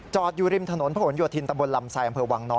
จอดอยู่ริมถนนพโยทิลตลำซัยอวงน